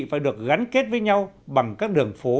phải được gắn kết với nhau bằng các đường phố